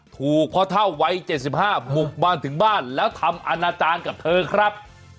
ถูกพ่อเท่าวัย๗๕บุกมาถึงบ้านแล้วทำอาณาจารย์กับเธอครับ